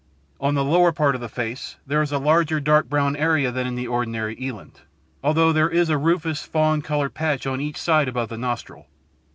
On the lower part of the face there is a larger dark brown area than in the ordinary eland, although there is a rufous fawn coloured patch on each side above the nostril.